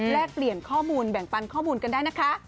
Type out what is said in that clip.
เปลี่ยนข้อมูลแบ่งปันข้อมูลกันได้นะคะ